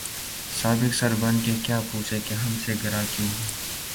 سبک سر بن کے کیا پوچھیں کہ ’’ ہم سے سر گراں کیوں ہو؟‘‘